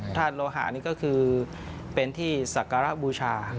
ธาตุโลหะนี่ก็คือเป็นที่ศักระบูชา